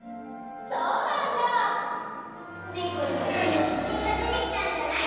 そうなんだあ。でこりんちょっとじしんがでてきたんじゃない？